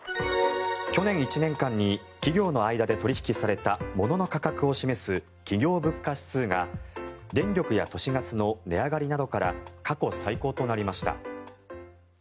去年１年間に企業の間で取引されたものの価格を示す企業物価指数が電力や都市ガスの値上がりなどから過去最高となりました。